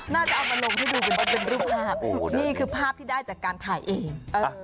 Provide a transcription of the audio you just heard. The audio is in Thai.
น่าจะเอามาลงให้ดูกันว่าเป็นรูปภาพนี่คือภาพที่ได้จากการถ่ายเอง